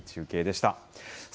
中継でした。